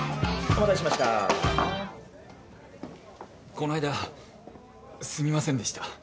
この間すみませんでした